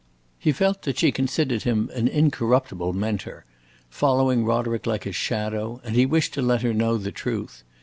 He felt that she considered him an incorruptible Mentor, following Roderick like a shadow, and he wished to let her know the truth.